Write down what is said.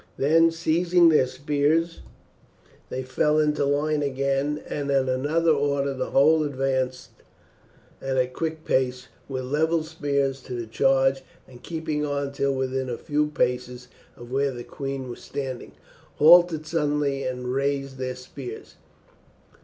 Then seizing their spears they fell into line again, and at another order the whole advanced at a quick pace with levelled spears to the charge, and keeping on till within a few paces of where the queen was standing, halted suddenly and raised their spears.